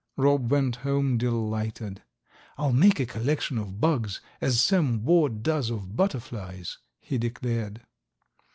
Rob went home delighted. "I'll make a collection of bugs, as Sam Ward does of butterflies," he declared.